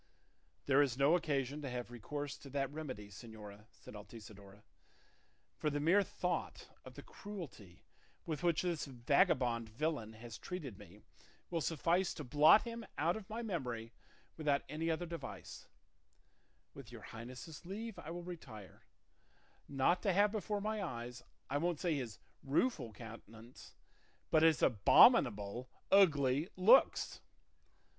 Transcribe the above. "There is no occasion to have recourse to that remedy, señora," said Altisidora; "for the mere thought of the cruelty with which this vagabond villain has treated me will suffice to blot him out of my memory without any other device; with your highness's leave I will retire, not to have before my eyes, I won't say his rueful countenance, but his abominable, ugly looks."